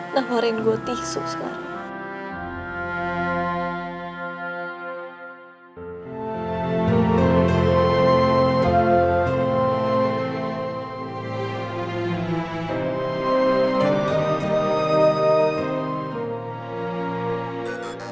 namarin gue tisu sekarang